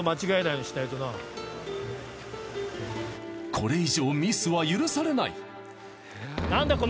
これ以上ミスは許されない。